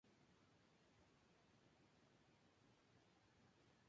La primera edición de la copa se realizó en la ciudad de Lima, Perú.